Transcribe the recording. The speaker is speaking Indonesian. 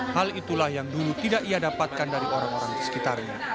hal itulah yang dulu tidak ia dapatkan dari oda